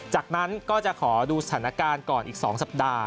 จากนั้นก็จะขอดูสถานการณ์ก่อนอีก๒สัปดาห์